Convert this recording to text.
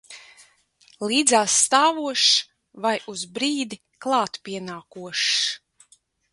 Līdzās stāvošs vai uz brīdi klāt pienākošs.